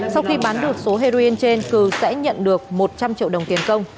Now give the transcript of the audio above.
sau khi bán được số heroin trên cường sẽ nhận được một trăm linh triệu đồng tiền công